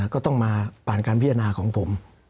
ก็ต้องมาผ่านการพิจารณาของผม